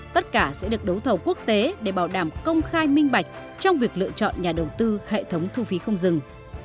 tất cả sẽ được đấu thầu quốc tế để bảo đảm công khai minh bạch trong việc lựa chọn nhà đầu tư hệ thống thu phí không dừng